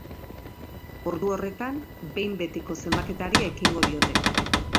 Ordu horretan, behin betiko zenbaketari ekingo diote.